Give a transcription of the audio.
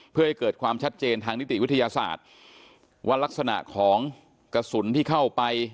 เพื่อให้เกิดความชัดเจนทางนิติวิทยาศาสตร์ว่ารักษณะของกระสุนที่เข้าไป